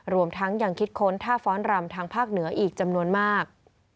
รวมทั้งยังคิดค้นท่าฟ้อนรำทางภาคเหนืออีกจำนวนมาก